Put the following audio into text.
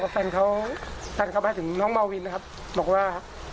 แฟนเขาแฟนเข้าไปถึงน้องมาวินบอกว่า